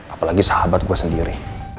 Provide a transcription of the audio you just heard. apalagi sahabat gue sendiri